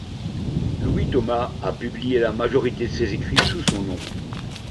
Louis Thomas a publié la majorité de ses écrits sous son nom.